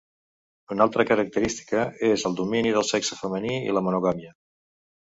Una altra característica és el domini del sexe femení i la monogàmia.